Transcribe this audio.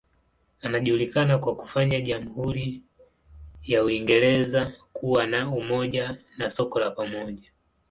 Anajulikana kwa kufanya jamhuri ya Uingereza kuwa na umoja na soko la pamoja.